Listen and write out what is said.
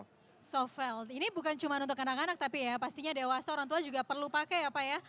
sovel ini bukan cuma untuk anak anak tapi ya pastinya dewasa orang tua juga perlu pakai ya pak ya